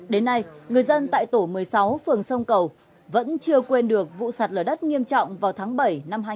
đến nay người dân tại tổ một mươi sáu phường sông cầu vẫn chưa quên được vụ sạt lở đất nghiêm trọng vào tháng bảy năm hai nghìn một mươi ba